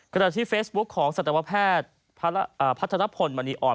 ขณะที่เฟซบุ๊คของสัตวแพทย์พัฒนพลมณีอ่อน